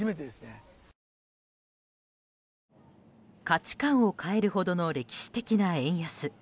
価値観を変えるほどの歴史的な円安。